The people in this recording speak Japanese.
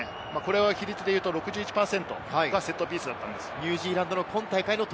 比率でいうと６１％がセットピースだったんです。